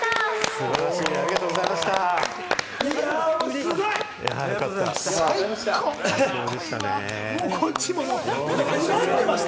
素晴らしいね、ありがとうございました。